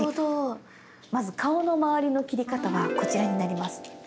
まず顔のまわりの切り方はこちらになります。